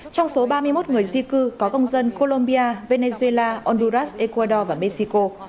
trong số ba mươi một người di cư có công dân colombia venezuela honduras ecuador và mexico